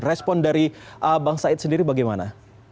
respon dari bang said sendiri bagaimana